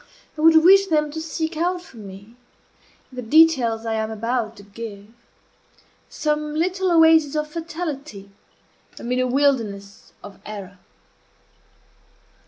I would wish them to seek out for me, in the details I am about to give, some little oasis of fatality amid a wilderness of error.